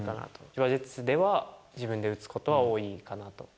千葉ジェッツでは、自分で打つことは多いかなと。